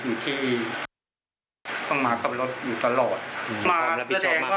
คุณกับอย่างงามด้วยครับ